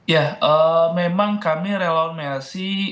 ya memang kami relaun melalui